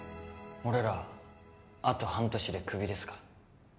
俺らあと半年でクビですか？